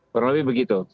pernah lebih begitu